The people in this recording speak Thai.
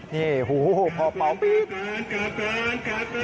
นี่พอเป่าปี๊บ